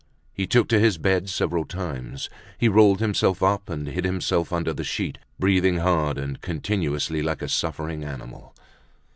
He took to his bed several times; he rolled himself up and hid himself under the sheet, breathing hard and continuously like a suffering animal.